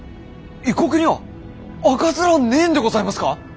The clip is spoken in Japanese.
異国には赤面はねえんでございますか？